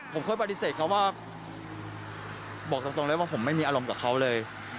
ผมเคยปฏิเสธเขาว่าบอกตรงเลยว่าผมไม่มีอารมณ์กับเขาเลย